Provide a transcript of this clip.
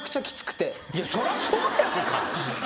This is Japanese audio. そらそうやんか。